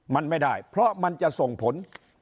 มันไม่ได้เพราะมันจะส่งผล